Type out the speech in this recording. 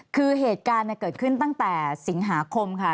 คือเหตุการณ์เกิดขึ้นตั้งแต่สิงหาคมค่ะ